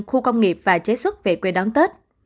khu công nghiệp và chế xuất về quê đón tết